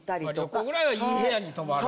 旅行ぐらいはいい部屋に泊まる。